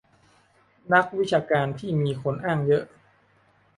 นักวิชาการที่มีคนอ้างเยอะ